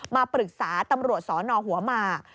มาปรึกษาตำรวจสนหัวหมาก